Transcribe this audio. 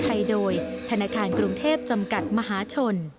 ไทยโดยธนาคารกรุงเทพจำกัดมหาชน